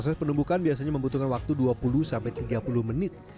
proses penumbukan biasanya membutuhkan waktu dua puluh sampai tiga puluh menit